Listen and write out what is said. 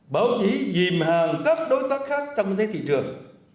báo chí dìm hàng các đối tác khác trong thế thị trường